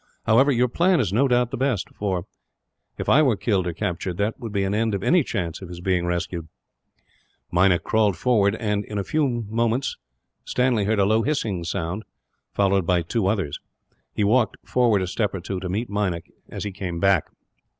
However, your plan is no doubt the best for, if I were killed or captured, there would be an end of any chance of his being rescued." Meinik crawled forward and, in a minute or two, Stanley heard a low hissing sound, followed by two others. He walked forward a step or two to meet Meinik, as he came back.